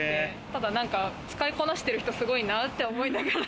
ただ使いこなしてる人すごいなって思いながら。